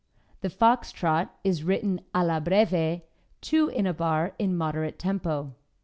The Fox Trot is written "Alla Breve," 2 in a bar in moderate tempo.